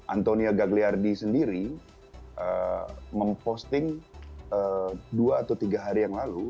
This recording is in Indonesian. antonia gagliardi sendiri memposting dua atau tiga hari yang lalu